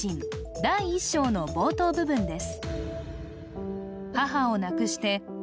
第一章の冒頭部分です